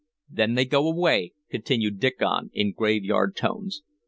"Then they go away," continued Diccon in graveyard tones.